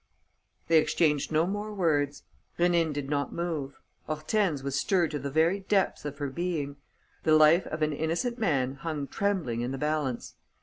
They exchanged no more words. Rénine did not move. Hortense was stirred to the very depths of her being. The life of an innocent man hung trembling in the balance.